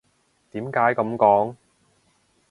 點解噉講？